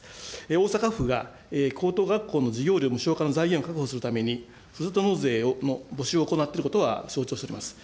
大阪府が、高等学校の授業料無償化の財源を確保するためにふるさと納税のご使用を行っていることは、承知をしております。